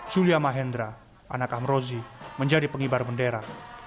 julia mahendra anak amrozi menjadi pengibar bendera